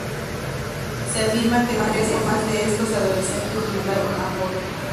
Se afirma que tres o más de estos adolescentes violaron a Pott.